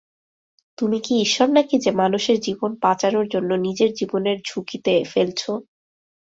তুমি কি ঈশ্বর নাকি যে মানুষের জীবন বাঁচানোর জন্য নিজের জীবনের ঝুঁকিতে ফেলছো?